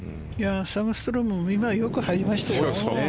サグストロムも今のよく入りましたよね。